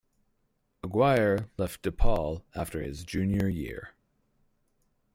Aguirre left De Paul after his junior year.